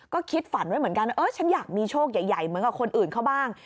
ก็คิดฝันไว้เหมือนกันว่าฉันอยากมีโชคใหญ่เหมือนกับคนอื่นเขาบ้าง